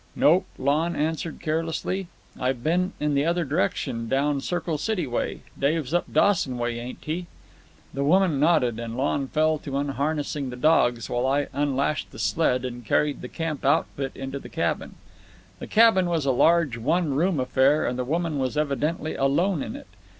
"Nope," Lon answered carelessly. "I've been in the other direction, down Circle City way. Dave's up Dawson way, ain't he?" The woman nodded, and Lon fell to unharnessing the dogs, while I unlashed the sled and carried the camp outfit into the cabin. The cabin was a large, one room affair, and the woman was evidently alone in it.